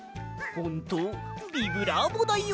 「ほんとビブラーボだよ」。